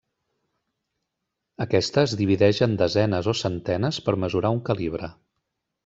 Aquesta es divideix en desenes o centenes per mesurar un calibre.